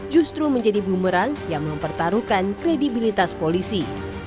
justru menjadi bumerang yang mempertaruhkan kredibilitas polisi